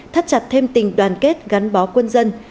thắt chặt thêm tình đoàn kết gắn bó quân dân